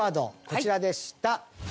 こちらでした。